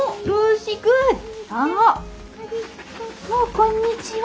「こんにちは」